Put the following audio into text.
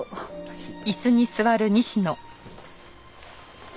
はい。